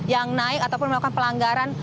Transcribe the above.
yang naik ataupun melakukan pelanggaran